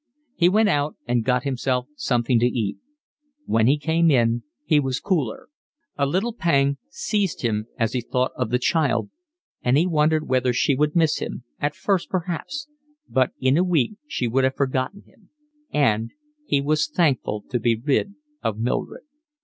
He went out and got himself something to eat. When he came in he was cooler. A little pang seized him as he thought of the child, and he wondered whether she would miss him, at first perhaps, but in a week she would have forgotten him; and he was thankful to be rid of Mildred.